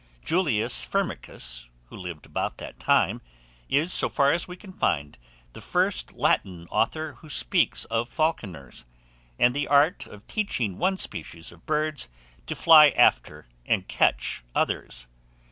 Julius Firmicus, who lived about that time, is, so far as we can find, the first Latin author who speaks of falconers, and the art of teaching one species of birds to fly after and catch others.